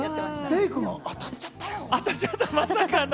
デイくん、当たっちゃったよ。